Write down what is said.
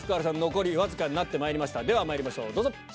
残りわずかになりましたではまいりましょうどうぞ。